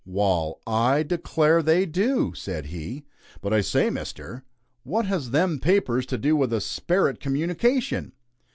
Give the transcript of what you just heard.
"Wal, I declare they do!" said he. "But I say Mister, what has them papers to do with a sperit communication?"